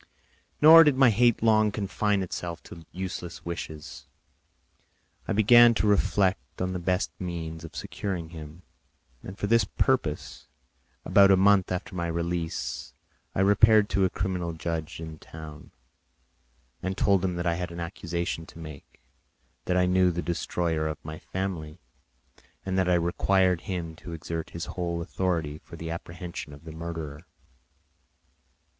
Nor did my hate long confine itself to useless wishes; I began to reflect on the best means of securing him; and for this purpose, about a month after my release, I repaired to a criminal judge in the town and told him that I had an accusation to make, that I knew the destroyer of my family, and that I required him to exert his whole authority for the apprehension of the murderer.